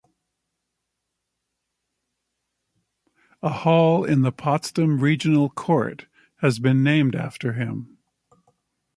A hall in the Potsdam Regional Court has been named after him.